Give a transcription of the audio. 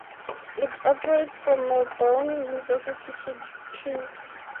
It operates from Melbourne University to Kew.